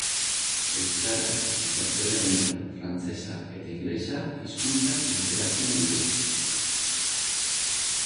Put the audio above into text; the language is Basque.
Euskara, gaztelania, frantsesa eta ingelesa hizkuntzak menperatzen ditu.